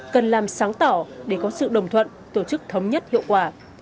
cần làm sáng tỏ để có sự đồng thuận tổ chức thống nhất hiệu quả